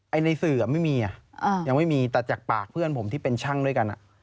ในสื่อไม่มีอ่ะยังไม่มีแต่จากปากเพื่อนผมที่เป็นช่างด้วยกัน